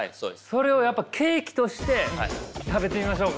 それをケーキとして食べてみましょうか。